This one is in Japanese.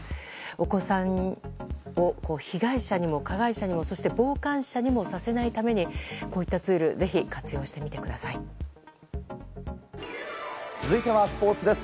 お子さんを被害者にも加害者にも、そして傍観者にもさせないためにこういったツール続いてはスポーツです。